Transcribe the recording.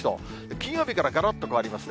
金曜日からがらっと変わりますね。